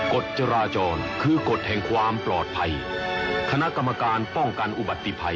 กฎจราจรคือกฎแห่งความปลอดภัยคณะกรรมการป้องกันอุบัติภัย